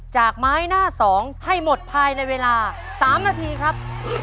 จากไม้หน้า๒ให้หมดภายในเวลา๓นาทีครับ